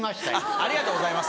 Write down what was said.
ありがとうございます。